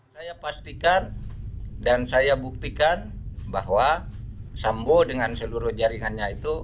saya pastikan dan saya buktikan bahwa sambo dengan seluruh jaringannya itu